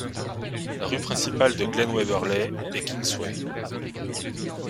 La rue principale de Glen Waverley est Kingsway.